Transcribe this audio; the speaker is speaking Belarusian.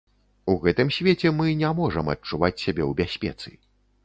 У гэтым свеце мы не можам адчуваць сябе ў бяспецы.